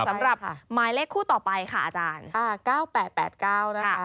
สำหรับหมายเลขคู่ต่อไปค่ะอาจารย์